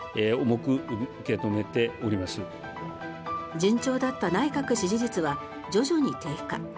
順調だった内閣支持率は徐々に低下。